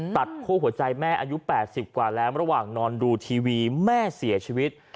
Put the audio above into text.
คั่วหัวใจแม่อายุ๘๐กว่าแล้วระหว่างนอนดูทีวีแม่เสียชีวิต